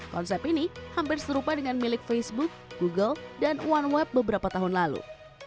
konsep ini hampir serupa dengan milik facebook google dan one web beberapa tahun lalu